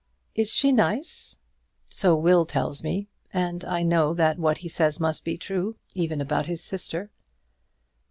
"Is she nice?" "So Will tells me; and I know that what he says must be true, even about his sister."